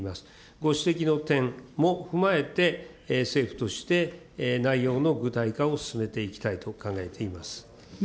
ご指摘の点も踏まえて、政府として内容の具体化を進めていきたいと考えています。